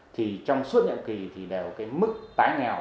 thì trong suốt nhiệm kỳ thì đều cái mức tái nghèo